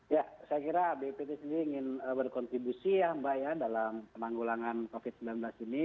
ya saya kira bppt sendiri ingin berkontribusi ya mbak ya dalam penanggulangan covid sembilan belas ini